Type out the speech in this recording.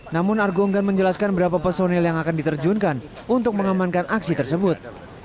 namun argo enggan menjelaskan berapa personil yang akan diterjunkan untuk mengamankan aksi tersebut